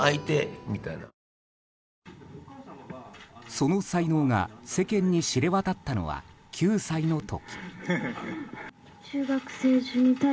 その才能が世間に知れ渡ったのは９歳の時。